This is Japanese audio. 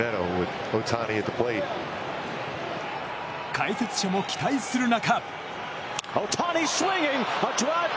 解説者も期待する中。